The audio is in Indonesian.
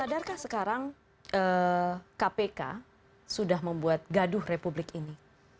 sadarkah sekarang kpk sudah membuat gaduh republik ini